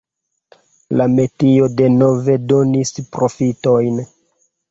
La metio denove donis profitojn.